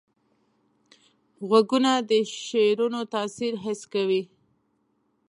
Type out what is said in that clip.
غوږونه د شعرونو تاثیر حس کوي